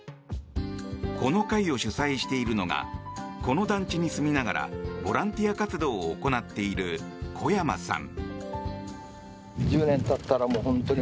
この会を主催しているのがこの団地に住みながらボランティア活動を行っている小山さん。